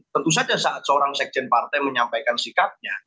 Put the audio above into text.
tentu saja saat seorang sekjen partai menyampaikan sikapnya